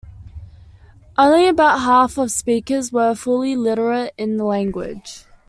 Only about half of speakers were fully literate in the language.